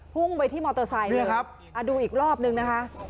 พุ่งไปที่มอโตไซค์เลยนี่ครับอ่าดูอีกรอบหนึ่งนะคะ